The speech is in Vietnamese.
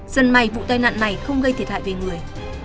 dân may vụ tai nạn này không gây thiệt hại về người